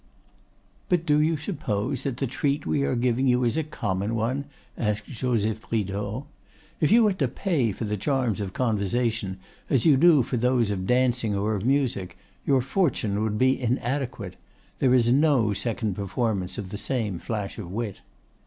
"But do you suppose that the treat we are giving you is a common one?" asked Joseph Bridau. "If you had to pay for the charms of conversation as you do for those of dancing or of music, your fortune would be inadequate! There is no second performance of the same flash of wit."